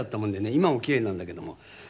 今も奇麗なんだけども。